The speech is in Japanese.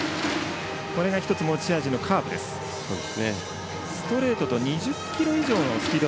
これが１つ持ち味のカーブ。